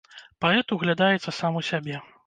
Паэт углядаецца сам у сябе.